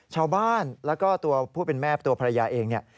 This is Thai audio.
ชาวบ้านแล้วก็ตัวผู้เป็นแม่ตัวภรรยาเองเนี่ย